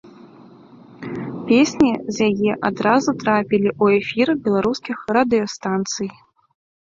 Песні з яе адразу трапілі у эфір беларускіх радыёстанцый.